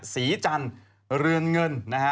ศรีจันทร์เรือนเงิน